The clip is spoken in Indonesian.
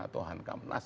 atau hankam nas